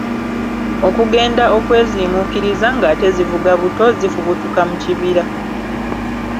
Okugenda okwezimuukiriza ng'ate zivuga buto, zifubutuka mu kibira.